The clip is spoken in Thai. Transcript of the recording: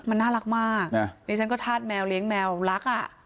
มันน่ารักมากดิฉันก็ธาตุแมวเลี้ยงแมวรักอ่ะ